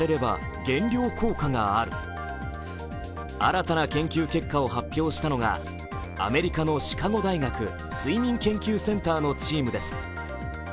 新たな研究結果を発表したのがアメリカのシカゴ大学睡眠研究センターのチームです。